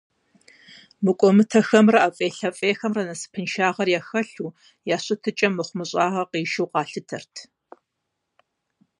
МыкӀуэмытэхэмрэ ӀэфӀейлъэфӀейхэмрэ насыпыншагъэр яхуэлъэу, я щытыкӀэм мыхъумыщӀагъэ къишэу къалъытэрт.